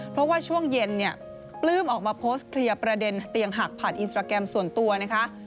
เพราะว่าช่วงเย็นเนี่ยปลื้มออกมาโพสต์เคลียร์ประเด็นเตียงหักผ่านอินสตราแกรมส่วนตัวนะคะ